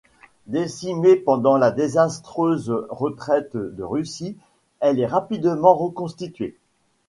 Décimée pendant la désastreuse retraite de Russie, elle est rapidement reconstituée.